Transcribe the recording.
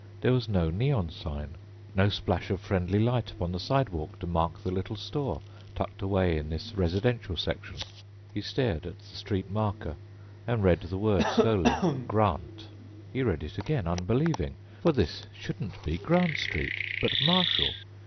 There was no neon sign, no splash of friendly light upon the sidewalk to mark the little store tucked away in this residential section. He stared at the street marker and read the word slowly: GRANT. He read it again, unbelieving, for this shouldn't be Grant Street, but Marshall.